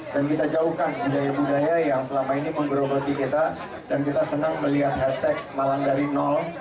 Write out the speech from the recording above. dan kita jauhkan budaya budaya yang selama ini membrokoti kita dan kita senang melihat hashtag malang dari nol